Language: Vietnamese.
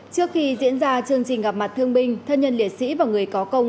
trước khi diễn ra chương trình gặp mặt thương binh thân nhân liệt sĩ và người có công